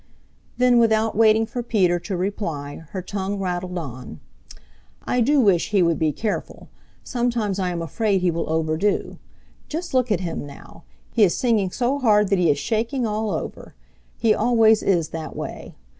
Then, without waiting for Peter to reply, her tongue rattled on. "I do wish he would be careful. Sometimes I am afraid he will overdo. Just look at him now! He is singing so hard that he is shaking all over. He always is that way.